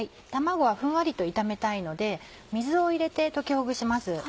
卵はふんわりと炒めたいので水を入れて溶きほぐします。